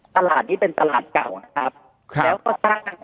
ตลาดนี้เป็นตลาดเก่านะครับ